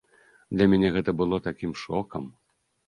Для мяне гэта было такім шокам!